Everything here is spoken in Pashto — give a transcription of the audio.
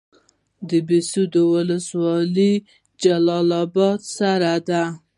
د بهسودو ولسوالۍ جلال اباد سره ده